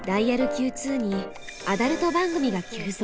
Ｑ２にアダルト番組が急増。